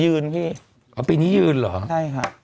ยืนพี่อ้าวปีนี้ยืนหรอใช่ค่ะ